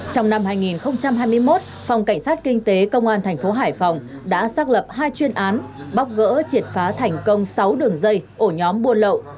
trong năm hai nghìn hai mươi một phòng cảnh sát kinh tế công an thành phố hải phòng đã xác lập hai chuyên án bóc gỡ triệt phá thành công sáu đường dây ổ nhóm buôn lậu